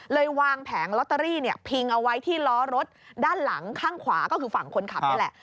วางแผงลอตเตอรี่พิงเอาไว้ที่ล้อรถด้านหลังข้างขวาก็คือฝั่งคนขับนี่แหละ